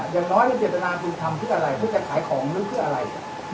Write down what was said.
อย่างน้อยเจตนาคือทำเพื่ออะไรเพื่อจะขายของหรือเพื่ออะไร